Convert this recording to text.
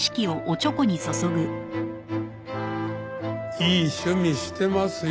いい趣味してますよ。